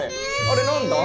あれ何だ？